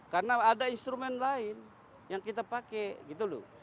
karena ada instrumen lain yang kita pakai gitu loh